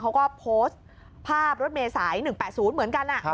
เขาก็โพสต์ภาพรถเมษาย๑๘๐เหมือนกัน